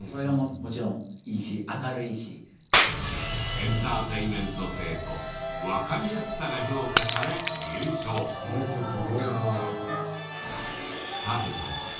エンターテインメント性とわかりやすさが評価され優勝。と思います。